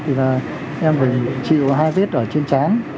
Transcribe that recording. thì là em phải chịu hai vết ở trên chán